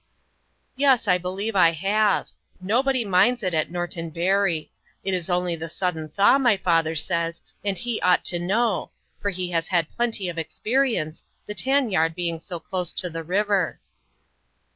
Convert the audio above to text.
"Yes, I believe I have; nobody minds it at Norton Bury; it is only the sudden thaw, my father says, and he ought to know, for he has had plenty of experience, the tan yard being so close to the river."